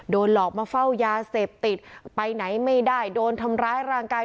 หลอกมาเฝ้ายาเสพติดไปไหนไม่ได้โดนทำร้ายร่างกาย